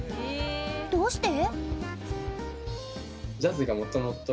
どうして？